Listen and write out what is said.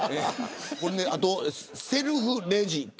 あと、セルフレジ。